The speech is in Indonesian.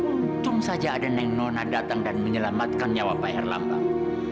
untung saja ada neng nona datang dan menyelamatkan nyawa pak herlambang